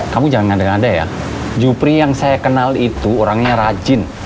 kamu jangan ngada ngada ya jupri yang saya kenal itu orangnya rajin